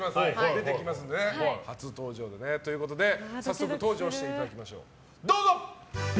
出てきますのでね。ということで早速登場していただきましょう。